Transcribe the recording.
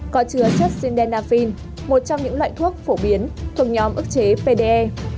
có chứa chất xin denafin một trong những loại thuốc phổ biến thuộc nhóm ức chế pde